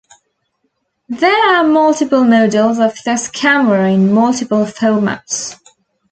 There are multiple models of this camera in multiple formats.